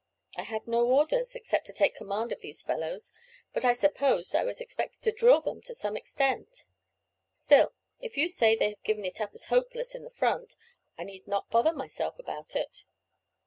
I had no orders except to take command of these fellows, but I supposed I was expected to drill them to some extent; still, if you say they have given it up as hopeless in the front, I need not bother myself about it."